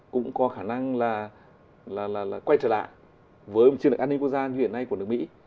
cũng có khả năng là quay trở lại với một chiến lược anh nhật quốc gia như hiện nay của nước mỹ